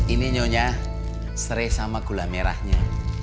ini nyonya serai sama gula merahnya